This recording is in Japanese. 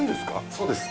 そうです。